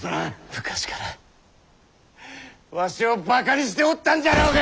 昔からわしをバカにしておったんじゃろうが！